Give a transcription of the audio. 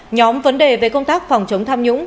nhóm vấn đề về công tác phòng chống tham nhũng